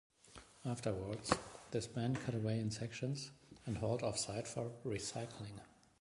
Afterwards, the span cut away in sections and hauled off site for recycling.